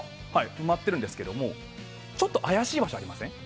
埋まっているんですが怪しい場所ありません？